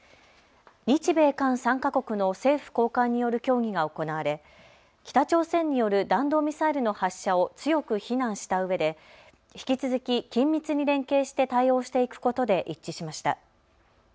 日米韓３か国の政府高官による協議が行われ北朝鮮による弾道ミサイルの発射を強く非難したうえで引き続き緊密に連携して対応していくことで一致しました。